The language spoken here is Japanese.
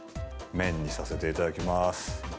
麺にさせていただきます。